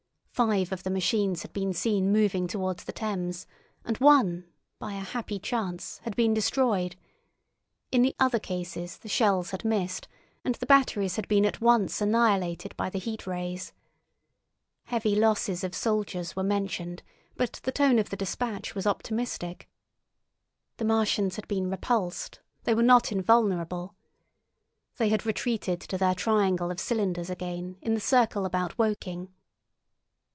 Five of the machines had been seen moving towards the Thames, and one, by a happy chance, had been destroyed. In the other cases the shells had missed, and the batteries had been at once annihilated by the Heat Rays. Heavy losses of soldiers were mentioned, but the tone of the dispatch was optimistic. The Martians had been repulsed; they were not invulnerable. They had retreated to their triangle of cylinders again, in the circle about Woking.